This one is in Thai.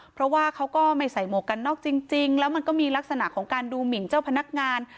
เพราะว่าเขาก็ไม่ใส่หมวกกันนอกจริงแล้วมันก็มีลักษณะของการดูหมินเจ้าพนักงาน